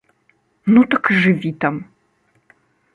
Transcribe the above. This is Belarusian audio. Ну так і жыві там!